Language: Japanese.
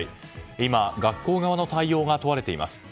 今、学校側の対応が問われています。